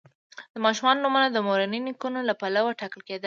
د ماشومانو نومونه د مورني نیکونو له پلوه ټاکل کیدل.